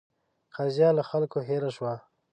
قضیه له خلکو هېره شوه.